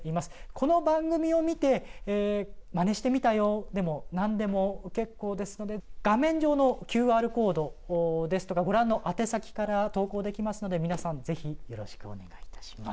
この番組を見てまねしてみたよでも何でも結構ですので画面上のＱＲコードですとかご覧の宛先から投稿できますので皆さん是非よろしくお願いいたします。